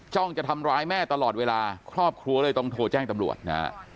้องจะทำร้ายแม่ตลอดเวลาครอบครัวเลยต้องโทรแจ้งตำรวจนะฮะ